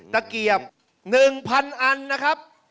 ตะเกียบ๑๐๐อันนะครับ